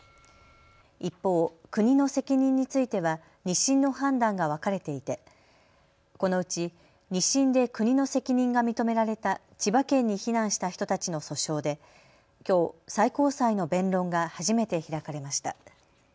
一方、国の責任については２審の判断が分かれていてこのうち２審で国の責任が認められた千葉県に避難した人たちの訴訟できょう、最高裁の弁論が初めて開かれました。